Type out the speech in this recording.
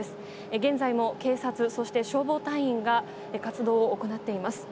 現在も警察、そして消防隊員が活動を行っています。